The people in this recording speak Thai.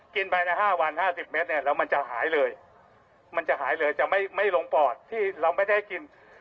กินไปนะ๕วัน๕๐เมตรเนี่ยแล้วมันจะหายเลยมันจะหายเลยจะไม่ลงปอดที่เราไม่ได้ให้กิน